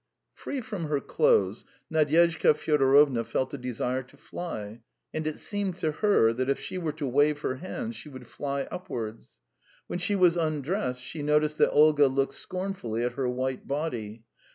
Free from her clothes, Nadyezhda Fyodorovna felt a desire to fly. And it seemed to her that if she were to wave her hands she would fly upwards. When she was undressed, she noticed that Olga looked scornfully at her white body.